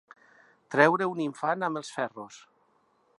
Treure un infant amb els ferros.